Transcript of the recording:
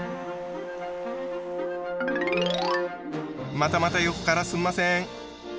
またまた横からすんません。